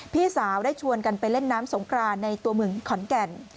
พี่สาวได้ชวนกันไปเล่นน้ำสงครานในตัวเมืองขอนแก่น